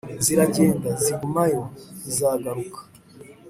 ziragenda, zigumayo ntizagaruka